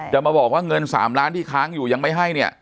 จะมาบอกว่าเงิน๓ล้านที่ค้างอยู่ยังไม่ให้เนี่ย